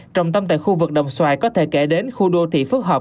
trọng tâm tại khu vực đồng xoài có thể kể đến khu đô thị phước hợp